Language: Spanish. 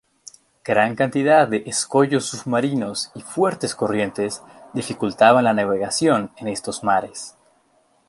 Gran cantidad de escollos submarinos y fuertes corrientes dificultaban la navegación en estos mares.